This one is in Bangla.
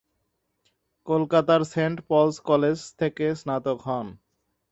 কলকাতার সেন্ট পলস কলেজ থেকে স্নাতক হন।